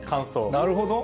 なるほど。